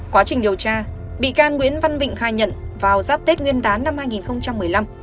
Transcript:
quá trình điều tra bị can nguyễn văn vịnh khai nhận vào giáp tết nguyên đán năm hai nghìn một mươi năm